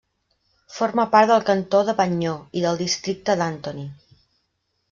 Forma part del cantó de Bagneux i del districte d'Antony.